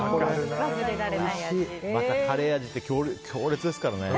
またカレー味って強烈ですからね。